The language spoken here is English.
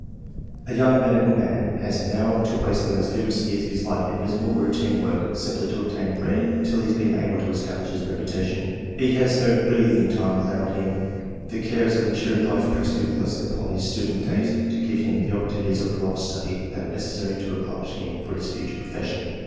A young III.] ORIGIN OF TASTE FOR SCIENCE. 227 medical man has now to waste the most vigorous years of his life in miserable routine work simply to obtain bread, until he has been able to establish his reputation. He has no breath ing time allowed him; the cares of mature life press too closely upon his student days to give him the opportunities of prolonged study that are necessary to accomplish him for his future profession.